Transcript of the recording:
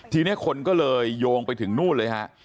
ทีนี้คนก็เลยโยงไปถึงนู่นเลยฮะ